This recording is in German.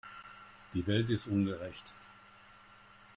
Die Welt ist ungerecht.